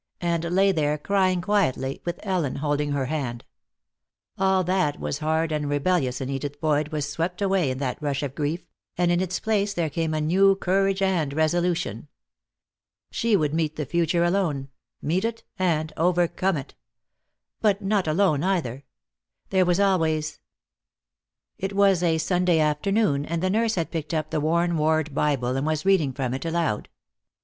And lay there, crying quietly, with Ellen holding her hand. All that was hard and rebellious in Edith Boyd was swept away in that rush of grief, and in its place there came a new courage and resolution. She would meet the future alone, meet it and overcome it. But not alone, either; there was always It was a Sunday afternoon, and the nurse had picked up the worn ward Bible and was reading from it, aloud.